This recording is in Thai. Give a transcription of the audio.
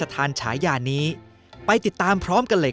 ไม่เล่นหวายทรงอย่างเดียว